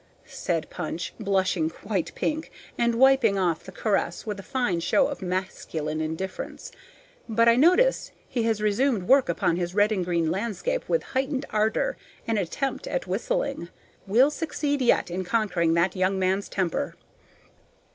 said Punch, blushing quite pink, and wiping off the caress with a fine show of masculine indifference. But I notice he has resumed work upon his red and green landscape with heightened ardor and an attempt at whistling. We'll succeed yet in conquering that young man's temper.